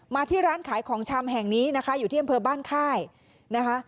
ที่ร้านขายของชำแห่งนี้นะคะอยู่ที่อำเภอบ้านค่ายนะคะ